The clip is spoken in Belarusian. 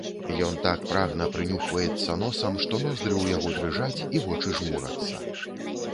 Ён так прагна прынюхваецца носам, што ноздры ў яго дрыжаць і вочы жмурацца.